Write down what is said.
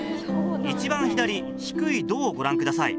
一番左低い「ド」をご覧ください。